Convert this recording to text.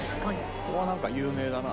ここはなんか有名だな。